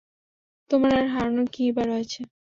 তোমার আর হারানোর কীইবা রয়েছে?